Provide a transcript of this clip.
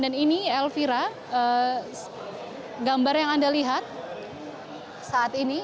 dan ini elvira gambar yang anda lihat saat ini